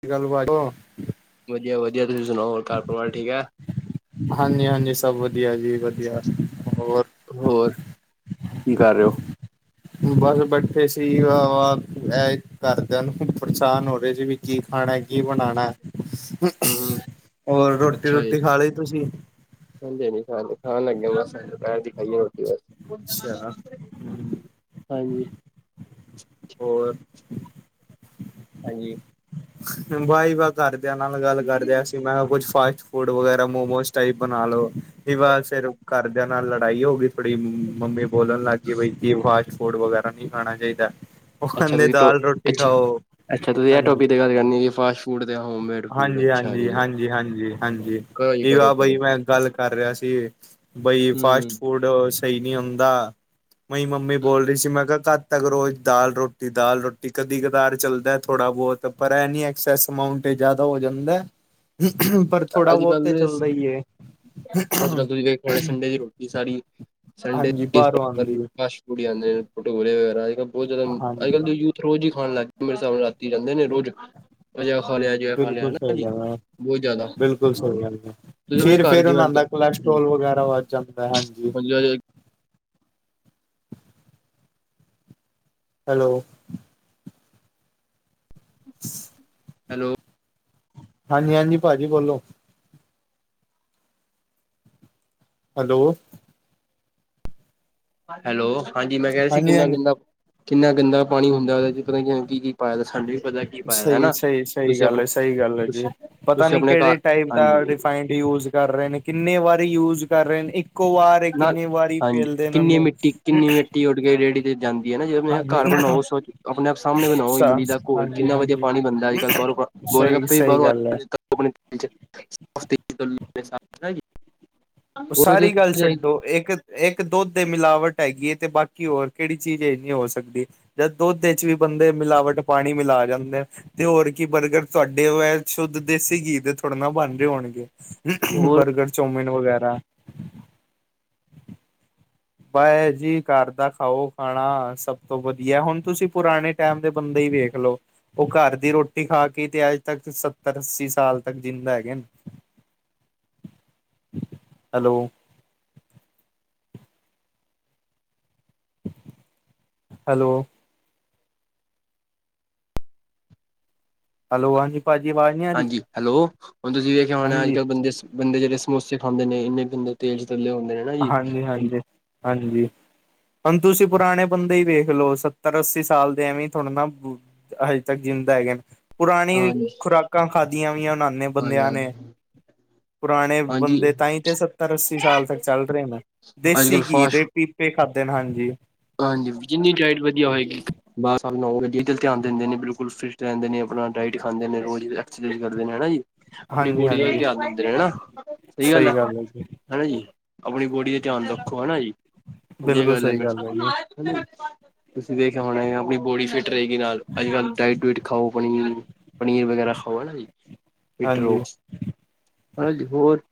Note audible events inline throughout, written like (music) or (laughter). ਕੀ ਗੱਲਬਤ ਵਧੀਆ ਵਧੀਆ ਤੁਸੀਂ ਸੁਨਾਓ, ਹੋਰ ਘਰ ਪਰਿਵਾਰ ਠੀਕ ਐ। ਹਾਂਜੀ ਹਾਂਜੀ ਸਭ ਵਧੀਆ ਜੀ, ਵਧੀਆ ਹੋਰ ਹੋਰ ਕੀ ਕਰ ਰਹੇ ਹੋ? ਬਸ ਬੈਠੇ ਸੀ ਵ ਵ ਇਹ ਕਰਦਿਆਂ ਨੂੰ ਪਰੇਸ਼ਾਨ ਹੋ ਰਹੇ ਸੀ ਵੀ ਕੀ ਖਾਨੈ ਕੀ ਬਣਾਨੈ ਹਮ ਹਮ ਹੋਰ ਰੋਟੀ ਅੱਛਾ ਜੀ ਰੂਟੀ ਖਾ ਲਈ ਤੁਸੀਂ ਹਾਂਜੀ ਹਾਂਜੀ ਖਾ ਲਈ। ਖਾਣ ਲੱਗਿਆ ਬਸ ਦੁਪਹਿਰ ਦੀ ਖਾਈਏ ਰੋਟੀ ਬਸ ਅੱਛਾ ਹਾਂਜੀ। ਹੋਰ ਹਾਂਜੀ। ਵਾਈ ਵਾਹ ਘਰ ਦਿਆਂ ਨਾਲ ਗੱਲ ਕਰਦਿਆਂ ਸੀ। ਮੈਂ ਕਿਹਾ ਕੁਝ ਫਾਸਟ ਫੂਡ ਵਗੈਰਾ ਮੋਮੋਜ਼ ਟਾਈਪ ਬਨਾ ਲਓ। ਵੀ ਵਾਰ ਫਿਰ ਘਰਦਿਆਂ ਨਾਲ ਲੜਾਈ ਹੋ ਗਈ ਥੋੜੀ, ਮੰਮੀ ਬੋਲਣ ਲੱਗ ਗਈ ਬਈ ਕਿ ਫਾਸਟ ਫੂਡ ਵਗੈਰਾ ਨਹੀਂ ਖਾਣਾ ਚਾਹੀਦਾ। ਉਹ ਅੱਛਾ, ਕਹਿੰਦੇ ਤੁ ਦਾਲ ਰੋਟੀ ਖਾਓ ਅੱਛਾ, ਤੁਸੀਂ ਇਹ ਟੋਪੀਕ ਦੀ ਗੱਲ ਕਰਨੀ ਫਾਸਟ ਫੂਡ ਤੇ ਹੋਮਮੇਡ ਫੂਡ ਅੱਛਾ ਜੀ ਹਾਂਜੀ-ਹਾਂਜੀ-ਹਾਂਜੀ-ਹਾਂਜੀ-ਹਾਂਜੀ। ਕਰੋ ਜੀ ਇਹ ਕਰੋ ਵਾ ਬਾਈ ਕਰੋ ਮੈਂ ਗੱਲ ਕਰ ਰਿਹਾ ਸੀ। ਬਈ ਫਾਸਟ ਹਮ ਫੂਡ ਸਹੀ ਨਹੀਂ ਹੁੰਦਾ। ਬਾਈ, ਮਈ ਮੰਮੀ ਬੋਲ ਰਹੀ ਸੀ। ਮੈਂ ਕਿਹਾ ਕਦ ਤਕ ਰੋਜ਼ ਦਾਲ ਰੋਟੀ- ਦਾਲ ਰੋਟੀ ਕਦੀ-ਕਦਾਰ ਚੱਲਦਾ ਥੋੜ੍ਹਾ ਅ ਬੁਤ, ਪਰ ਏ ਨਹੀਂ, ਐਕਸਸ ਅਮਾਊਂਟ ਜ਼ਿਆਦਾ ਹੋ ਜਾਂਦਾ ਐ। ਪਰ ਥੋੜਾ ਅੱਜ ਬਹੁਤ ਕੱਲ ਤਾਂ ਚੱਲਦਾ ਈਏ। ਅੱਜ ਕੱਲ ਤੁਸੀਂ ਵੇਖੋ ਸੰਡੇ ਦੀ ਰੋਟੀ ਸਾਰੀ ਸੰਡੇ ਇਕ ਪੁਰੀ ਆਦੇ, ਭਟੂਰੇ ਨ ਹੋਰ, ਜ਼ਿਆਦਾਅੱਜ ਕੱਲ ਹਾਂਜੀ ਦੇ ਯੂਥ ਰੋਜ਼ ਹੀ ਖਾਣ ਲੱਗਦੇ, ਮੇਰੇ ਹਿਸਾਬ ਨਾਲ ਰਾਤੀ ਜਾਂਦੇ ਨੇ ਰੋਜ਼ ਅੱਜ ਆਪਾਂ ਜੇਹਾਂ ਜਿਆ ਖਾ ਲਿਆ ਨਾ ਜੀ। ਬਹੁਤ ਜ਼ਿਆਦਾ ਬਿਲਕੁੱਲ ਸਹੀ ਤੁਸੀਂ ਗੱਲ ਹੈ। ਆਪਣੇ ਘਰ ਫਿਰ-ਫਿਰ ਜਿਵੇਂ ਉਹ ਅੱਜ ਕੱਲ ਦਾ ਕੋਲੈਸਟੋਲ ਵਗੈਰਾ ਵੱਧ ਜਾਂਦਾ। ਹਾਂਜੀ (inaudible) ਹੈਲੋ। ਹੈਲੋ। ਹਾਂਜੀ-ਹਾਂਜੀ, ਭਾਜੀ ਬੋਲੋ। ਹੈਲੋ। ਹੈਲੋ। ਹਾਂਜੀ ਮੈਂ ਕੇਹਾ ਸੀ। ਹਾਂਜੀ ਕਿੰਨਾ ਹਾਂਜੀ ਲੰਮ ਕਿੰਨਾ ਗੰਦਾ ਪਾਣੀ ਹੁੰਦਾ। ਉਹਦੇ ਚ ਪਤਾ ਕੀ ਕੀ ਕੀ ਪਾਇਆ ਦ ਸਾਡੇ ਪਤਾ ਸਹੀ ਏ-ਸਹੀ ਏ -ਸਹੀ ਏ ਗੱਲ ਹੈ। ਸਹੀ ਗੱਲ ਹੈ ਜੀ। ਤੁਸੀਂ ਪਤਾ ਤੁਸੀਂ ਨੀ ਆਪਣੇ ਘਰ ਕਿਹੜੇ ਟਾਈਪ ਦਾ ਹਾਂਜੀ ਰਿਫਾਇਡ ਯੁਜ਼ ਕਰ ਰਹੇ ਨੇ ਕਿੰਨੇ ਵਾਰੀ ਯੂਜ ਕਰ ਰਹੇ ਨੇ ਇੱਕ ਕੁਵਾਰ ਨਾ ਕਿੰਨੇ ਵਾਰੀ ਹਾਂਜੀ ਪੇਲਦੇ ਇਹਨਾ ਕਿੰਨੀ ਨੂੰ ਮਿੱਟੀ ਕਿੰਨੀ ਮਿੱਟੀ ਉੱਡ ਕੇ ਰੇਹੜੀ ਤੇ ਜਾਂਦੀ ਨਾ ਜੇ ਆਪਣੇ ਘਰ ਬਣਾਓ ਸ-ਆਪਣੇ ਆਪ ਸਾਹਮਣੇ ਬਣਾਓ। ਇਮਲੀ ਦਾ ਘੋਲ ਹਾਂਜੀ ਕਿੰਨਾ ਵਧੀਆ ਹਾਂਜੀ ਪਾਣੀ ਬਣਦਾ, ਅੱਜ ਕੱਲ ਬਾਹਰੋਂ ਸਹੀ ਗੋਲਗੱਪੇ ਵੀ ਸਹੀ ਬਾਰੋ ਗੱਲ ਹੈ ਅੱਜ -ਕੱਲ ਉਹ ਸਾਰੀ (unintelligible) ਗੱਲ ਛੱਡੋ ਇੱਕ ਇੱਕ ਦੁੱਧ ਦੇ ਮਿਲਾਵਟ ਹੈਗੀ ਹੈ। ਤੇ ਬਾਕੀ ਹੋਰ ਕਿਹੜੀ ਚੀਜ਼ ਇਹ ਨਹੀਂ ਹੋ ਸਕਦੀ। ਜਦ ਦੁੱਧ ਦੇ ਵਿੱਚ ਵੀ ਦੇ ਮਿਲਾਵਟ ਪਾਣੀ ਮਿਲਾ ਜਾਂਦੇ ਐ‌। ਤੇ ਹੋਰ ਕੀ ਬਰਗਰ, ਤੁਹਾਡੇ ਉਹ ਏਨ ਸ਼ੁੱਧ ਦੇਸੀ ਘੀ ਦੇ ਥੋੜੇ ਪੜਨਾ ਬਣਦੇ ਹੋਣਗੇ। ਹੋਰ ਬਰਗਰ, ਚੋਮੀਨ ਵਗੈਰਾ। ਬਸ ਜੀ। ਘਰ ਦਾ ਖਾਓ ਖਾਣਾ, ਸਭ ਤੋਂ ਵਧੀਆ ਹੁਣ ਤੁਸੀਂ ਪੁਰਾਣੇ ਟਾਈਮ ਦੇ ਬੰਦੇ ਵੇਖ ਲੋ! ਉਹ ਘਰ ਦੀ ਰੋਟੀ ਖਾ ਕੇ ਤੇ ਅੱਜ ਤੱਕ ਸੱਤਰ-ਅੱਸੀ ਸਾਲ ਤੱਕ ਜਿੰਦਾ ਨੇ। ਹੈਲੋ। ਹੈਲੋ। ਹੈਲੋ ਹਾਂਜੀ ਭਾਜੀ ਆਵਾਜ਼ ਨਹੀਂ ਆ ਰਹੀ ਹਾਂਜੀ ਹੈਲੋ। ਹੁਣ ਤੁਸੀਂ ਵੀ ਵੇਖਿਆ ਹੋਣਾ, ਹਾਂਜੀ ਅੱਜ -ਕੱਲ੍ਹ ਬੰਦੇ ਬੰਦੇ ਜਿਹੜੇ ਸਮੋਸੇ ਖਾਂਦੇ ਨੇ, ਇੰਨੇ ਗੰਦੇ ਤੇਜ਼ ਤਲੇ ਹੁੰਦੇ ਹੈ ਨਾ ਜੀ। ਹਾਂਜੀ ਹਾਂਜੀ ਹਾਂਜੀ। ਹਣ ਤੁਸੀਂ ਪੁਰਾਣੇ ਬੰਦੇ ਹੀ ਵੇਖ ਲਓ। ਸੱਤਰ-ਅੱਸੀ ਸਾਲ ਦੇ ਐਵੇਂ ਥੋੜੇ ਨਾ ਹਜੇ ਤੱਕ ਜਿਉਦਾ ਹੈਗਾ ਨੇ, ਪੁਰਾਣੀ ਹਾਂਜੀ ਖੁਰਾਕਾਂ ਖਾਦੀਆਂ ਵੀਆਂ ਹਨ। ਣੇ ਹਾਂਜੀ ਬੰਦਿਆਂ ਹਾਂਜੀ ਨੇ ਪੁਰਾਣੇ ਹਾਂਜੀ ਬੰਦੇ ਤਹੀ ਤੇ ਸੱਤਰ- ਅੱਸੀ ਸਾਲ ਤੱਕ ਚਲ ਰਹੇ ਨੇ, ਅੱਜ ਦੇਸੀ ਕੱਲ੍ਹ ਘੀ ਦੇ ਫਾਸਟ ਪੀਪੇ ਖਾਧੇ ਨੇ ਹਾਂਜੀ। ਹਾਂਜੀ। ਜਿੰਨੀ ਡਾਇਟ ਵਧੀਆ ਹੋਏਗੀ। ਬਸ ਧਿਆਨ ਦਿੰਦੇ ਨੇ ਬਿਲਕੁਲ ਫਟ ਰਹਿੰਦੇ ਨੇ ਆਪਣਾ ਡਾਇਟ ਖਾਂਦੇ ਨੇ ਰੋਜ਼ ਐਕਸਰਸਾਈਜ ਕਰਦੇ ਨੇ ਹੈ ਨਾ ਜੀ। ਆਪਣੀ ਹਾਂਜੀ ਬੋਡੀ ਦਾ ਵੀ ਹਾਂਜੀ ਧਿਆਨ ਦਿੰਦੇ ਨੇ ਹੈ ਨਾ ਸਹੀ ਗੱਲ ਆ। ਹੈ ਨਾ ਜੀ ਆਪਣੀ ਬੋਡੀ ਦੇ ਧਿਆਨ ਰੱਖੋ ਹੈ ਨਾ ਜੀ। ਵਧੀਆ ਬਿਲਕੁਲ ਗੱਲ ਹੈ ਸਹੀ ਫਿਰ ਜੀ ਤਾਂ। ਤੁਸੀਂ ਵੇਖਆ ਹੋਣਾ ਆਪਣੀ ਬੋਡੀ ਫਿਟ ਰਹੇਗੀ। ਨਾਲ ਅੱਜ ਕੱਲ ਡਾਇਟ ਡੂਇਟ ਖਾਓ ਆਪਣੀ। ਪਨੀਰ ਵਗੈਰਾ ਖਾਓ ਹੈ ਨਾ ਜੀ। ਫਿਟ ਰਹੋ। ਹਾਂਜੀ ਹੈ ਨਾ ਜੀ ਹੋਰ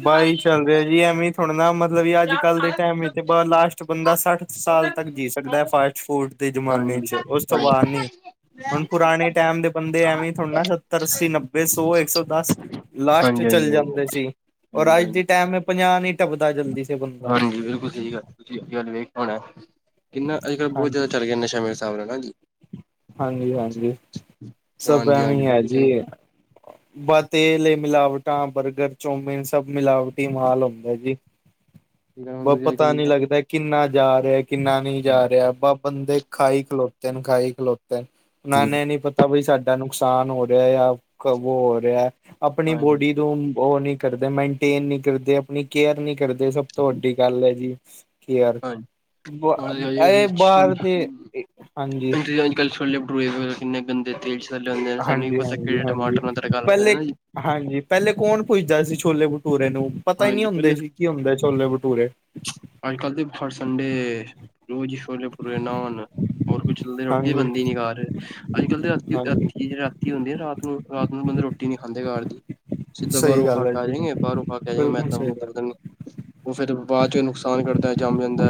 ਬਾਈ ਚੱਲ ਰਿਹਾ ਜੀ। ਐਵੇਂ ਥੋੜੇ ਨਾ ਮਥ ਬਈ ਅੱਜ ਕੱਲ੍ਹ ਦੇ ਟਾਇਮ ਵਿੱਚ ਬ ਲਾਸਟ ਬੰਦਾ ਸੱਠ ਸਾਲ ਤੱਕ ਜੀ ਸਕਦਾ ਹੈ ਫਾਸਟ ਫੂਡ ਦੇ ਜ਼ਮਾਨੇ ਹਾਂਜੀ ਅੱਛਾ ਉਸ ਤੋਂ ਹਾਂਜੀ ਬਾਅਦ ਨੀ ਹਾਂਜੀ ਹੁਣ ਪੁਰਾਣੇ ਟੈਮ ਦੇ ਬੰਦੇ ਐਵੇਂ ਥੋੜੇ ਨਾ ਸੱਤਰ, ਅੱਸੀ, ਨੱਬੇ ਸੌ ਏਕ ਸੌ ਦਸ। ਲਾਸਟ ਹਾਂਜੀ ਚਲ ਜਾਂਦੇ ਸੀ ਔਰ ਹਾਂਜੀ ਅੱਜ ਹਾਂਜੀ ਦੀ ਟਾਈਮ ਪੰਜਾਹ ਵੀ ਹਾਂਜੀ ਬਿਲਕੁਲ ਸਹੀ ਗੱਲ। ਤੁਸੀਂ ਅਹੀ ਹਾਲ ਵੇਖਿਆ ਹੋਣਾ। ਇੰਨਾ ਅੱਜ ਕਲ ਬਹੁਤ ਜਿਆਦਾ ਹਾਂਜੀ ਚਲ ਗਿਆ ਨਸ਼ਾ ਮੇਰੇ ਹਿਸਾਬ ਨਾਲ ਨਾ ਜੀ। ਹਾਂਜੀ - ਹਾਂਜੀ ਸਭ ਹਾਂਜੀ ਹਾਂਜੀ ਐਵੇਂ ਹੈ ਬਿਲਕੁਲ ਸਹੀ ਗੱਲ ਜੀ ਬ ਤੇਲ ਏ ਮਿਲਾਵਟਾਂ ਬਰਗਰ, ਚੌਮਿਨ ਸਭ ਮਿਲਾਵਟੀ ਮਾਲ ਹੁੰਦਾ ਏ ਜੀ। ਠੀਕ ਹੈ ਹੁਣ ਬ ਤੁਸੀਂ ਅੱਜ ਕੱਲ ਪਤਾ ਨੀ ਲੱਗਦਾ ਕਿੰਨਾ ਜਾ ਰਿਹਾ। ਕਿੰਨਾ ਨਹੀਂ ਜਾ ਹਾਂਜੀ ਰਿਹਾ। ਬ ਬੰਦੇ ਖਾਈ ਖਲੋਤੇ ਨੇ ਖਾਈ ਖਲੋਤੇ। ਉਹਨਾਂ ਨੇ ਨੀ ਪਤਾ ਬਈ ਸਾਡਾ ਨੁਕਸਾਨ ਹੋ ਰਿਹਾ ਹਾਂ ਕਬ ਹੋ ਰਿਹਾ। ਆਪਣੀ ਹਾਂਜੀ ਬੋਡੀ ਹੋਰ ਨੂੰ ਉਹ ਨੀ ਕਰਦੇ, ਮੇਨਟੇਨ ਨੀ ਕਰਦੇ ਆਪਣੀ ਕੇਅਰ ਨੀ ਕਰਦੇ ਸਭ ਤੋਂ ਵੱਡੀ ਗੱਲ ਹੈ ਜੀ। ਕੇਅਰ ਹਾਂਜੀ, ਹਾਂਜੀ -ਹਾਂਜੀ ਇਹ ਰੀਚ ਬਾਹਰ ਦੇ ਹਾਂਜੀ ਅੰਕਲ ਛੋਲੇ ਭਟੂਰੇ ਵਗੈਰਾ ਕਿੰਨੇ ਗੰਦੇ ਤੇਲ ਵਿੱਚ ਤੱਲੇ ਹੁੰਦੇ ਹਨ ਸਾਨੂੰ ਹਾਂਜੀ ਪਤਾ ਹਾਂਜੀ ਕਿਹੜੇ ਹਾਂਜੀ ਟਮਾਟਰ ਨਾਲ ਤੜਕਾ ਲਾਂਦੇ ਨੇ ਹੈ ਪਹਿਲੇ ਨਾ ਜੀ। ਹਾਂਜੀ ਪਹਿਲੇ ਕੌਣ ਪੁੱਛਦਾ ਸੀ ਛੋਲੇ ਭਟੂਰੇ ਨੂੰ। ਪਤਾ ਹੀ ਨਹੀਂ ਹਾਂਜੀ ਹੁੰਦਾ ਸੀ ਕੀ ਹੁੰਦੇ ਛੋਲੇ ਭਟੂਰੇ। ਅੱਜ ਕੱਲ ਤਾਂ ਹਰ ਸਡੇ ਰੋਜ਼ ਸ਼ੋਲੇ, ਭਟੂਰੇ, ਨਾਂਨ। ਹੋਰ ਕੁਛ ਨ ਰੋਟੀ ਹਾਂਜੀ ਬਣਦੀ ਨੀ ਘਰ। ਅੱਜ ਕੱਲ ਤਾਂ ਰਾਤੀ ਹਾਂਜੀ ਰਾਤੀ ਜਦ ਰਾਤੀ ਹੁੰਦੀ ਆ ਨਾ ਰਾਤ ਨੂੰ -ਰਾਤ ਨੂੰ ਰੋਟੀ ਨੀ ਖਾਂਦੇ ਘਰ। ਦੀ ਸਿੱਧਾ ਸਹੀ ਬਾਹਰੋਂ ਖਾ ਗੱਲ ਹੈ ਕੇ ਆ ਜੀ ਜਾਏਗੇ ਬਾਹਰੋਂ ਖਾ ਕੇ ਆ ਜਾਗੇ ਬਿਲਕੁਲ ਮੈਦਾ ਸਹੀ ਮੁੱਦਾ ਗੱਲ ਪਤਾ ਹੈ ਨਹੀ ਉਹ ਫਿਰ ਬਾਅਦ ਚ ਨੁਕਸ (unintelligible)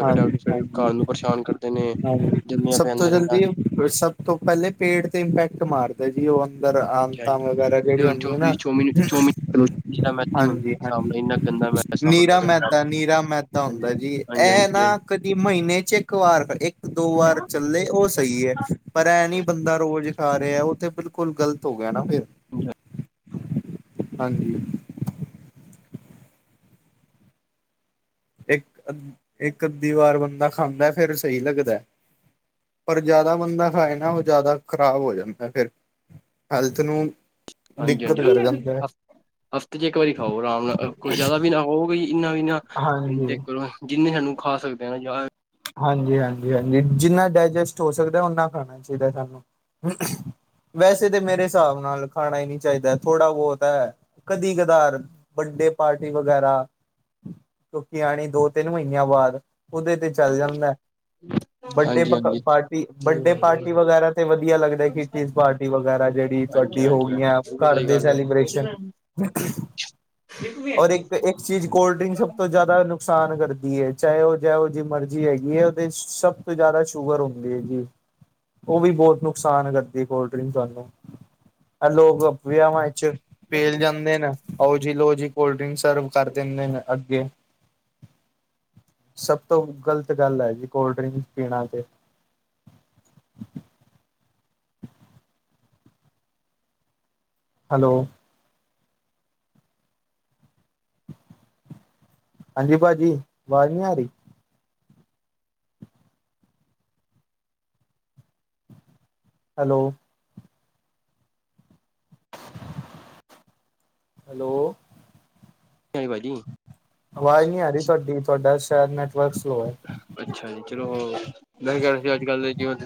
ਹਾਂਜੀ -ਹਾਂਜੀ ਨੂੰ ਪਰੇਸ਼ਾਨ ਕਰਦੇ ਨੇ ਹਾਂਜੀ ਜੰਮਿਆ ਸਭ ਪਿਆ ਤੋਂ ਅੰਦਰ ਇੰਨਾ ਜਲਦੀ ਔਰ ਸਭ ਤੋਂ ਪਹਿਲੇ ਪੇਟ ਤੇ ਇੰਪੈਕਟ ਮਾਰ। ਜੌ ਅੰਦਰ ਆਂਤਾਂ ਵਗੈਰਾ ਜਿਹੜੀਆਂ ਹੁੰਦੀਆਂ ਨਾ ਚੌਮਿਨ ਹਾਂਜੀ ਇੰਨਾ -ਹਾਂਜੀ ਗੰਦਾ ਮੈਦਾ ਹੁੰਦਾ ਨੀਰਾ ਮੈਦਾ ਨੀਰਾ ਮੈਦਾ ਹੁੰਦਾ ਜੀ ਇਹ ਹਾਂਜੀ-ਹਾਂਜੀ, ਨਾ ਕਦੀ ਮਹੀਨੇ ਚ ਇੱਕ ਵਾਰ, ਇੱਕ ਦੋ ਵਾਰ ਚੱਲੇ ਉਹ ਸਹੀ ਹੈ। ਪਰ ਐ ਨੀ ਬੰਦਾ ਰੋਜ਼। ਖਾ ਰਿਹਾ ਉਹ ਤੇ ਬਿਲਕੁਲ ਗ਼ਲਤ ਹੋ ਗਿਆ ਨਾ ਫਿਰ। ਹਾਂਜੀ-ਹਾਂਜੀ, ਹਾਂਜੀ। ਇੱਕ ਅਦ ਇੱਕ ਅੱਧੀ ਵਾਰ ਬੰਦਾ ਖਾਂਦਾ ਫੇਰ ਸਹੀ ਲੱਗਦਾ। ਪਰ ਜ਼ਿਆਦਾ ਬੰਦਾ ਖਾਏ ਨਾ ਉਹ ਜ਼ਿਆਦਾ ਖ਼ਰਾਬ ਹੋ ਜਾਂਦਾ ਏ ਫੇਰ। ਹੈਲਥ ਨੂੰ। ਹਾਂਜੀ ਦਿੱਕਤ ਕਰ -ਹਾਂਜੀ ਜਾਂਦਾ ਹੈ। ਹਫ਼ਤੇ ਚ ਇੱਕ ਵਾਰੀ ਖਾਓ ਆਰਾਮ ਨਾਲ। ਕੋ ਜ਼ਿਆਦਾ ਵੀ ਨਾ ਹੋ ਵਈ। ਇਨਾ ਵੀ ਨਾ ਇੰਜ ਹਾਂਜੀ ਕਰੋ ਜਿੰਨੀ ਸਾਨੂੰ ਖਾ ਸਕਦੇ ਨਾ ਜਾਂ ਹਾਂਜੀ- ਹਾਂਜੀ- ਹਾਂਜੀ ਜਿੰਨਾ ਡਾਇਜਸਟ ਹੋ ਸਕਦਾ ਓਨਾ ਖਾਣਾ ਚਾਹੀਦਾ ਸਾਨੂੰ। ਵੈਸੇ ਤੇ ਮੇਰੇ ਹਿਸਾਬ ਨਾਲ ਖਾਣਾ ਹੀ ਨਹੀਂ ਚਾਹੀਦਾ ਥੋੜ੍ਹਾ ਬਹੁਤ ਹੈ ਕਦੀ ਕਧਾਰ ਵਡ। ਤੇ ਪਾਰਟੀ ਵਗੈਰਾ ਕਿਉਂ ਕਿ ਆਣੀ ਦੋ ਤਿੰਨ ਮਹੀਨਿਆਂ ਬਾਅਦ ਉਹਦੇ ਤੇ ਚੱਲ ਜਾਂਦਾ। ਹਮ (unintelligible) ਬਰਥਡੇ ਪਾਰਟੀ ਬਰਥਡੇ ਪਾਰਟੀ ਵਗੈਰਾ ਤੇ ਵਧੀਆ ਲੱਗਦਾ ਕਿੱਟੀ ਪਾਰਟੀ ਵਗੈਰਾ ਜਿਹੜੀ। ਹਾਂਜੀ ਤੁਹਾਡੀ ਹੋ -ਹਾਂਜੀ ਗਈਆਂ -ਹਾਂਜੀ ਉਹ ਵੀ ਘਰ ਸਹੀ ਦੇ ਗੱਲ ਹੈ। ਕੋਸ਼ਿਕ ਸੈਲੀਬ੍ਰੇਸ਼ਨ ਹੈ। ਔਰ ਇੱਕ ਇੱਕ ਚੀਜ਼ ਕੋਲਡ ਡਰਿੰਕ ਸਭ ਤੋਂ ਜ਼ਿਆਦਾ ਨੁਕਸਾਨ ਕਰਦੀ। ਦੀ ਹੈ ਚਾਹੇ ਉਹ ਜਿਹੋ ਜੀ ਮਰਜ਼ੀ ਹੈਗੀ ਹੈ ਉਹਦੇ ਸਭ ਤੋਂ ਜ਼ਿਆਦਾ ਸ਼ੂਗਰ ਹੁੰਦੀ ਹੈ ਜੀ। ਉਹ ਵੀ ਬਹੁਤ ਨੁਕਸਾਨ ਕਰਦੀ ਕੋਲਡ ਡਰਿੰਕ ਤੂਹਾਨੂੰ ਆ ਲੋਕ ਵਿਆਵਾਂ ਵਿਚ। ਚ ਪੇਲ ਜਾਂਦੇ ਨ ਆਓ ਜੀ ਲੋ ਜੀ ਕੋਲਡ ਡਰਿੰਕ ਸਰਵ ਕਰ ਦਿੰਦੇ ਨੇ। ਅੱਗੇ ਸਭ ਤੋਂ ਗਲਤ ਗੱਲ ਐ ਜੀ, ਕੋਲਡ ਡਰਿੰਕ ਪੀਣਾ ਤੇ ਹੈਲੋ। ਹਾਂਜੀ ਭਾਜੀ, ਆਵਾਜ਼ ਨੀ ਆ ਰਹੀ। ਹੈਲੋ। ਹੈਲੋ। ਭਾਜੀ ਆਵਾਜ਼ ਨਹੀਂ ਆ ਰਹੀ ਤੁਹਾਡੀ, ਤੁਹਾਡਾ ਸ਼ਾਇਦ ਨੈਟਵਰਕ ਸਲੋ ਹੈ ਅੱਛਾ ਜੀ ਚਲੋ, ਮੈਂ ਕਿਹਾ ਰਿਹਾ ਸੀ ਅੱਜ ਕੱਲ ਜਿਵੇਂ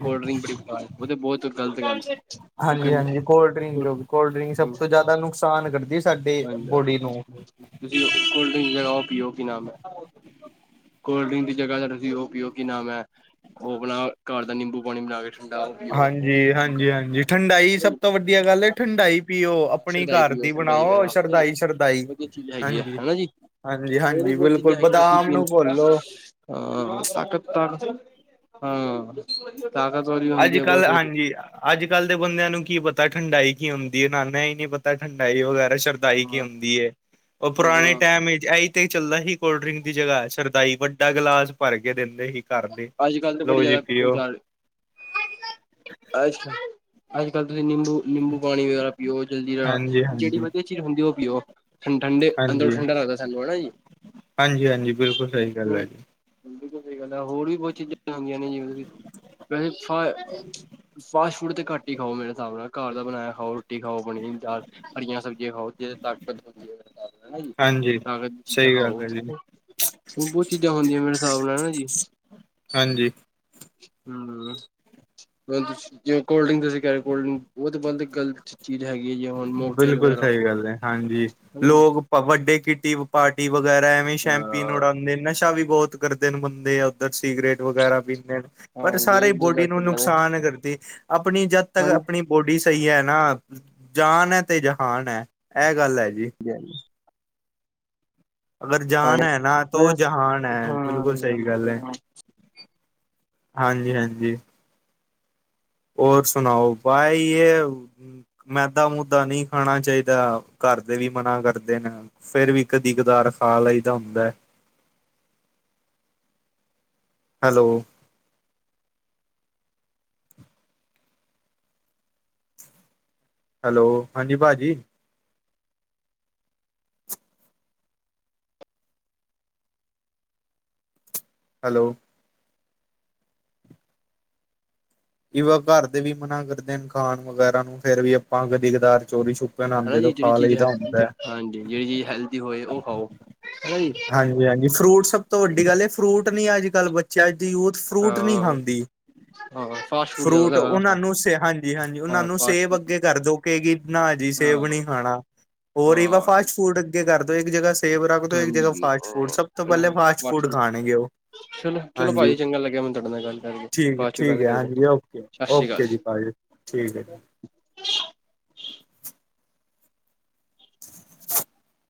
ਕੋਲਡ ਡਰਿੰਕ ਬੜੀ ਬੇਕਾਰ ਉਹਦੇ ਬਹੁਤ ਗਲਤ ਗੱਲ ਹਾਂਜੀ-ਹਾਂਜੀ। ਕੋਲਡ ਡਰਿੰਕ, ਕੋਲਡ ਡਰਿੰਕ ਸਭ ਤੋਂ ਜ਼ਿਆਦਾ ਨੁਕਸਾਨ ਕਰ ਹਾਂਜੀ, ਤੁਸੀਂ ਕੋਲਡ ਡ੍ਰਿੰਕ ਲਗਾਓ ਪੀਓ ਕਿ ਨਾਮ ਐ। ਕੋਲਡ ਡਰਿੰਕ ਦੀ ਜਗ੍ਹਾ ਤੁ ਤੁਸੀਂ ਉਹ ਪੀਓ ਕਿ ਨਾਮ ਏ, ਉਹ ਆਪਣਾ ਘਰ ਦਾ ਨਿੰਬੂ ਪਾਣੀ ਬਣਾ ਕੇ ਠੰਡਾ ਉਹ ਪੀਓ ਹਾਂਜੀ, ਹਾਂਜੀ-ਹਾਂਜੀ। ਠੰਡਾਈ ਸਭ ਤੋਂ ਵੱਧੀਆ ਗੱਲ ਹੈ। ਠੰਡਾਈ ਪੀਓ, ਆਪਣੀ ਘਰ ਦੀ। ਠੰਡਾਈ ਬਣਾਓ ਵਗੈਰਾ ਹੈਨਾ ਜੀ, ਸ਼ਰਦਾਈ-ਸ਼ਰਦਾਈ ਵਧੀਆ ਚੀਜ਼ ਹੈਗੀ ਆ ਹੈਨਾ ਜੀ। ਹੋਰ ਵੀ ਹਾਂਜੀ-ਹਾਂਜੀ-ਹਾਂਜੀ ਬਹੁਤ ਬਿਲਕੁਲ ਚੀਜ਼ਾਂ ਹੈਗੀਆਂ ਨੇ ਬਦਾਮ ਪੀਣ ਨੂੰ, ਘੋਲੋ ਹਾਂ ਤਾਕਤ ਤਾਂ ਹਮ। ਅੱਜ-ਕੱਲ, ਹਾਂਜੀ। ਅੱਜ-ਕੱਲ ਦੇ ਬੰਦਿਆਂ ਨੂੰ ਕੀ ਪਤਾ ਠੰਡਾਈ ਕੀ ਹੁੰਦੀ ਹੈ। ਨਾਨਾ ਹੀ ਨਹੀ ਪਤਾ ਠੰਡਾਈ ਵਗੈਰਾ। ਸਰਦਾਈ ਕੀ ਹਾਂ ਹੁੰਦੀ ਏ, ਉਹ ਪੁਰਾਣੇ ਹਾਂ ਟਾਈਮ ਵਿੱਚ ਇਹੀ ਤੇ ਚੱਲਦਾ ਸੀ ਕੋਲਡ ਡਰਿੰਕ ਦੀ ਜਗ੍ਹਾ, ਸ਼ਰਦਾਈ ਵੱਡਾ ਗਲਾਸ ਭਰ ਕੇ ਦਿੰਦੇ ਦੇ ਹੀ ਕਰਦੇ। ਲੋਓ ਜੀ, ਪੀਓ ਅੱਜ-ਕੱਲ, ਅੱਜ-ਕੱਲ ਤੁਸੀਂ ਨਿੰਬੂ ਨਿੰਬੂ ਪਾਣੀ ਵਗੈਰਾ ਪੀਓ ਜਲਦੀ ਨਾਲ, ਜਿਹੜੀ ਹਾਂਜੀ-ਹਾਂਜੀ ਵਧੀਆ ਚੀਜ਼ ਹੁੰਦੀ, ਉਹ ਪੀਓ ਠੰ ਠੰਡੇ ਅੰਦਰੋਂ ਹਾਂਜੀ, ਠੰਡਾ ਲੱਗਦਾ ਸਾਨੂੰ ਹੈਨਾ ਜੀ। ਹਾਂਜੀ-ਹਾਂਜੀ ਬਿਲਕੁਲ ਸਹੀ ਗੱਲ ਹੈ ਜੀ, ਸਹੀ ਗੱਲ ਹੋਰ ਵੀ ਬਹੁਤ ਚੀਜ਼ਾਂ ਹੁੰਦੀਆਂ ਨੇ ਜਿਵੇਂ ਕਿ, ਵੈਸੇ ਫਾ ਫਾਸਟ ਫੂਡ ਤੇ ਘੱਟ ਹੀ ਖਾਓ, ਮੇਰੇ ਹਿਸਾਬ ਨਾਲ ਘਰ ਦਾ ਬਣਾਇਆ ਖਾਓ। ਰੋਟੀ ਖਾਓ, ਪਨੀਰ, ਦਾਲ, ਹਰੀਆਂ ਸਬਜ਼ੀਆਂ ਖਾਓ ਜਿਹਦੇ ਚ ਤਾਕਤ ਤਾਕਤ ਹਾਂਜੀ। ਚੀਜ਼ਾਂ ਸਹੀ ਗੱਲ ਖਾਓ, ਹੈ ਜੀ, ਬਹੁਤ ਚੀਜ਼ਾਂ ਹੁੰਦੀਆਂ ਮੇਰੇ ਹਿਸਾਬ ਲਾਇਆ ਜੀ। ਹਾਂਜੀ। ਹੂੰ। ਕੋਲਡ ਡਰਿੰਕ, ਤੁਸੀਂ ਕਹਿ ਰਹੇ ਕੋਲ ਡਰਿੰਕ ਉਹ ਤਾਂ ਬੰਦ ਗਲਤ ਚੀਜ਼ ਹੈਗੀ ਹੈ ਜੀ ਹੁਣ ਮੋਕਟੇਲ ਬਿਲਕੁਲ ਵਗੈਰਾ ਹੋ ਸਹੀ ਗਈ ਗੱਲ ਹੈ ਹਾਂਜੀ, ਹਨਾ ਜੀ ਲੋਕ ਪ ਵੱਡੇ ਕਿਟੀ ਪਾਰਟੀ ਵਗੈਰਾ ਐਵੇਂ ਸ਼ੈਂਮਪੀਨ ਹਾਂ ਉਡਾਦੇ, ਨਸ਼ਾ ਵੀ ਬਹੁਤ ਕਰਦੇ ਨੇ ਬੰਦੇ ਆ ਉੱਧਰ ਸਿਗਰੇਟ ਵਗੈਰਾ ਪੀਂਦੇ ਨੇ ਪਰ ਹਾਂਜੀ ਸਾਰੀ ਇਹ ਬਹੁਤ ਬੋਡੀ ਜ਼ਿਆਦਾ ਨੂੰ ਚੱਲਦਾ ਨੇ ਨੁਕਸਾਨ ਕਰਦੀ। ਆਪਣੀ ਜਦ ਤੱਕ ਆਪਣੀ ਬੋਡੀ ਸਹੀ ਹੈ ਨਾ ਜਾਨ ਏ ਤੇ ਜਹਾਨ ਏ। ਇਹ ਗੱਲ ਹੈ। ਜੀ। (inaudible) ਅਗਰ ਜਾਨ ਹਾਂਜੀ ਐ, ਨਾ ਤੋ ਉਹ ਬਸ ਜਹਾਨ ਐ। ਹਾਂ ਬਿਲਕੁਲ ਸਹੀ ਗੱਲ ਐ। ਹਾਂਜੀ-ਹਾਂਜੀ। ਹੋਰ ਸੁਣਾਓ ਭਾਈ ਯ ਮੈਦਾ ਮੁੱਦਾ ਨਹੀਂ ਖਾਣਾ ਚਾਹੀਦਾ। ਘਰ ਦੇ ਵੀ ਮਨਾ ਕਰਦੇ ਨੇ ਫੇਰ ਵੀ ਕਦੀ ਕਦਾ ਖਾ ਲਈ ਦਾ ਹੁੰਦਾ ਹੀ ਏ। (inaudible) ਹੈਲੋ। ਹੈਲੋ, ਹਾਂਜੀ ਭਾਜੀ। ਹੈਲੋ। ਕਿ ਵਾ ਘਰ ਦੇ ਵੀ ਮਨਾ ਕਰਦੇ ਨੇ ਖਾਣ ਵਗੈਰਾ ਨੂੰ ਫੇਰ ਵੀ ਆਪਾਂ ਕਦੀ ਕਦਾਰ ਚੋਰੀ ਛੁ ਹੈਨਾ ਜੀ ਜਿਹੜੀ ਚੀਜ਼ ਹੈ। ਹਾਂਜੀ ਜਿਹੜੀ ਚੀਜ਼ ਹੈਲਦੀ ਹੋਏ ਉਹ ਖਾਓ ਹਨਾ ਜੀ ਹਾਂਜੀ-ਹਾਂਜੀ। ਫਰੂਟ ਸਭ ਤੋਂ ਵੱਡੀ ਗੱਲ, ਫਰੂਟ ਨੀ ਅੱਜ-ਕੱਲ੍ਹ ਬੱਚਾ ਦੀ ਯੂਥ ਫਰੂਟ ਨਹੀਂ ਹਾਂ ਖਾਂਦੀ ਹਾਂ ਫਾਸਟ ਫੂਡ ਫਰੂਟ ਜ਼ਿਆਦਾ ਉਹਨਾਂ ਨੂੰ ਸ, ਹਾਂਜੀ-ਹਾਂਜੀ ਉਹਨਾਂ ਹਾਂ ਨੂੰ ਫਾਸਟ ਸੇਵ ਫੂਡ ਅੱਗੇ ਕਰਦੋ, ਕਹੇਗੀ ਨਾ ਜੀ ਸੇਵ ਹਾਂ ਨੀ ਖ ਖਾਣਾ ਹੋਰ ਵਾ ਹਾਂ ਫਾਸਟ ਫੂਡ ਅੱਗੇ ਕਰਦੋ ਇੱਕ ਜਗ੍ ਫ ਜ ਹਾਂਜੀ ਫਾਸਟ ਫੂਡ ਸਭ ਤੋਂ ਪਹਿਲੇ, ਫਾਸਟ ਫੂਡ ਖਾਣਗੇ ਉਹ ਚਲੋ, ਚਲੋ ਹਾਂਜੀ ਭਾਜੀ ਚੰਗਾ ਲੱਗਿਆ ਮੈਨੂੰ ਤਾਡੇ ਨਾਲ ਗੱਲ ਕਰਕੇ ਬਾਦ ਚ' ਗੱਲ ਕਰਦੇ ਓ ਸਤਿ ਸ਼੍ਰੀ ਅਕਾਲ ਓਕੇ ਜੀ ਭਾਜੀ, ਠੀਕ ਹੈ ਜੀ (unintelligible)